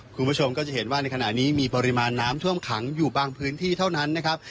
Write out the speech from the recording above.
คุณผู้ชมก็จะเห็นว่าในขณะนี้มีปริมาณน้ำท่วมขังอยู่บางพื้นที่เท่านั้นนะครับ